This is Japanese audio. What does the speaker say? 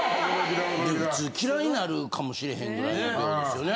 普通嫌いになるかもしれへんぐらいの量ですよね。